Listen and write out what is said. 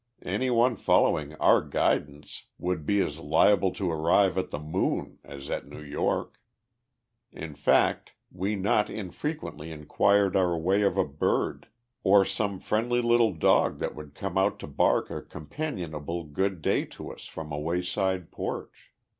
Any one following our guidance would be as liable to arrive at the moon as at New York. In fact, we not infrequently inquired our way of a bird, or some friendly little dog that would come out to bark a companionable good day to us from a wayside porch.